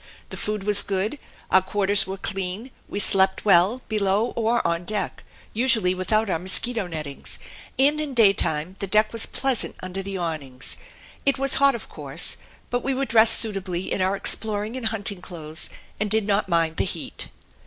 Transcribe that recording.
The food was good, our quarters were clean, we slept well, below or on deck, usually without our mosquito nettings, and in daytime the deck was pleasant under the awnings. It was hot, of course, but we were dressed suitably in our exploring and hunting clothes and did not mind the heat.